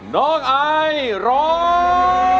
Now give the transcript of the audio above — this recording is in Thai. น้องไอร้อง